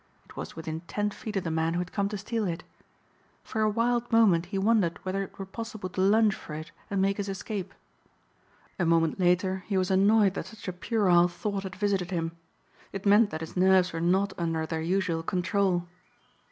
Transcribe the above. It was within ten feet of the man who had come to steal it. For a wild moment he wondered whether it were possible to lunge for it and make his escape. A moment later he was annoyed that such a puerile thought had visited him. It meant that his nerves were not under their usual control.